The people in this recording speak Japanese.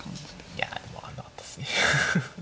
いやでも分かんなかったですね。